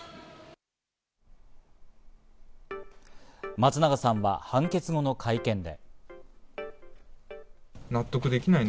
松永さんは判決後の会見で。